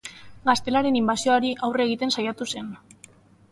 Gaztelaren inbasioari aurre egiten saiatu zen.